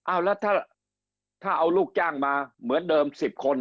เอาแล้วถ้าเอาลูกจ้างมาเหมือนเดิม๑๐คน